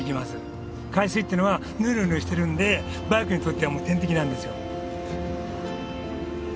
海水ってのはぬるぬるしてるんでバイクにとってはもう天敵なんですよ。